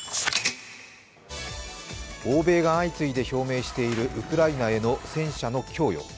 欧米が相次いで表明しているウクライナへの戦車の供与。